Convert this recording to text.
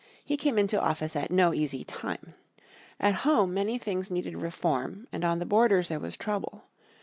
He came into office at no easy time. At home many things needed reform and on the borders there was trouble.